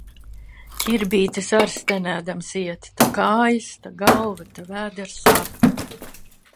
Ķirbītis ar’ stenēdams iet – ta kājas, ta galva, ta vēders sāp.